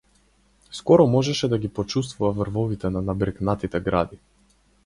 Скоро можеше да ги почуствува врвовите на набрекнатите гради.